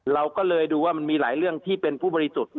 เราก็เลยดูว่ามันมีหลายเรื่องที่เป็นผู้บริสุทธิ์